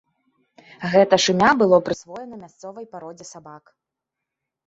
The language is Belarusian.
Гэта ж імя было прысвоена мясцовай пародзе сабак.